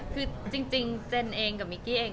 คือจริงเจนเองกับมิกกี้เอง